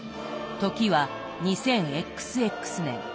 時は２０ＸＸ年。